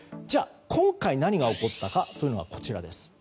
じゃあ今回何が起こったかというのは、こちらです。